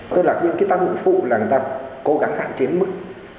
tức là những tác dụng phụ là người ta cố gắng hạn chiến mức